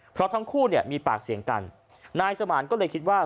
เพราะทั้งคู่เนี่ยมีปากเสียงกันนายสมานก็เลยคิดว่า